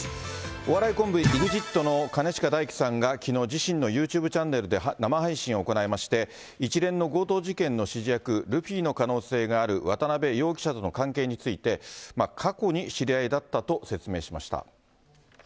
お笑いコンビ、ＥＸＩＴの兼近大樹さんがきのう、自身のユーチューブチャンネルで生配信を行いまして、一連の強盗事件の指示役、ルフィの可能性がある渡辺容疑者との関係について、過去に知り合いだったと説明しました。